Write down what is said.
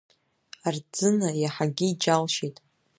Арӡына иаҳагьы иџьалшьеит.